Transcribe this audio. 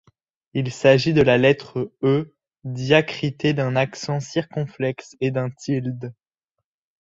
Il s’agit de la lettre E diacritée d’un accent circonflexe et d’un tilde.